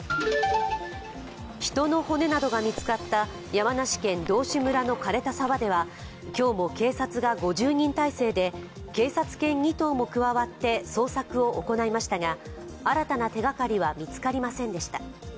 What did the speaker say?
人の骨などが見つかった山梨県道志村の枯れた沢では今日も警察が５０人態勢で警察犬２頭も加わって捜索を行いましたが新たな手がかりは見つかりませんでした。